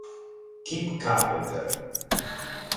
Kip Carpenter